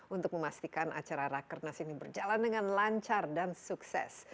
untuk memastikan acara rakernas ini berjalan dengan lancar dan sukses